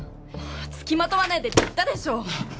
つきまとわないでって言ったでしょ。